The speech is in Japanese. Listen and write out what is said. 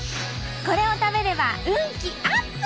これを食べれば運気アップ！